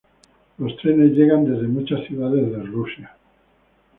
Los trenes llegan desde muchas ciudades de Rusia.